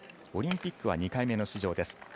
オリンピックは２回目の出場です。